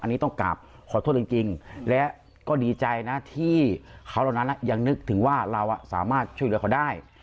อันนี้ต้องกลับขอโทษจริงและก็ดีใจนะที่เขาเหล่านั้นยังนึกถึงว่าเราสามารถช่วยเหลือเขาได้